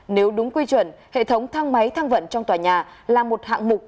nếu đúng quy chuẩn hệ thống thang máy thang vận trong tòa nhà là một hạng mục